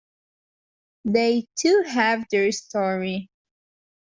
They too have their story.